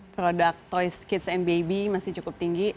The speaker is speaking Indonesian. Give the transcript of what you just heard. produk toys kids and baby masih cukup tinggi